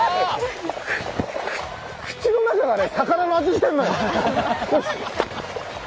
口の中が魚の味してるのよ。